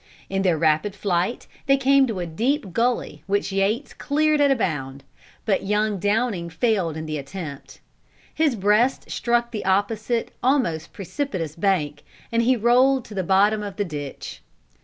In their rapid flight they came to a deep gulley which Yates cleared at a bound, but young Downing failed in the attempt. His breast struck the opposite almost precipitous bank, and he rolled to the bottom of the ditch.